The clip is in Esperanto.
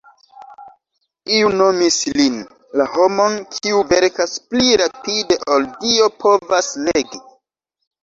Iu nomis lin "la homon kiu verkas pli rapide ol Dio povas legi".